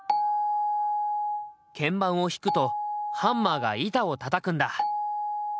鍵盤を弾くとハンマーが板をたたくんだ。